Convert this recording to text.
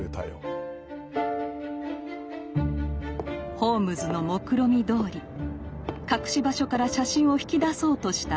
ホームズのもくろみどおり隠し場所から写真を引き出そうとしたアイリーン。